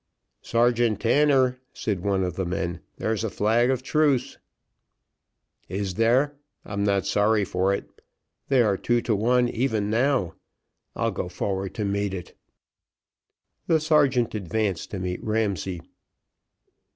"Sergeant Tanner," said one of the men, "there's a flag of truce." "Is there? I'm not sorry for it, they are two to one even now. I'll go forward to meet it." The sergeant advanced to meet Ramsay.